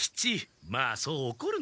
まあそうおこるな。